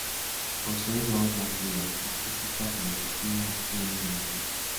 Posee dos maestrías: en física, filosofía, y en geología.